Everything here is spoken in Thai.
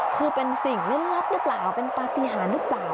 คือเป็นสิ่งเล่นลับหรือเปล่าเป็นปฏิหารหรือเปล่า